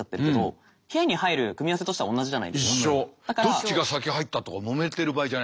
どっちが先入ったとかもめてる場合じゃないですね。